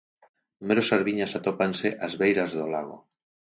Numerosas viñas atópanse ás beiras do lago.